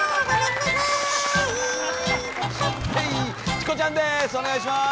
チコちゃんです！